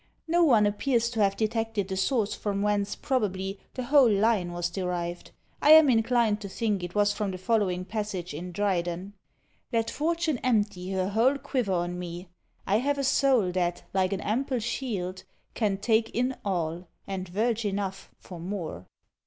No one appears to have detected the source from whence, probably, the whole line was derived. I am inclined to think it was from the following passage in Dryden: Let fortune empty her whole quiver on me, I have a soul that, like an AMPLE SHIELD, Can take in all, and VERGE ENOUGH for more!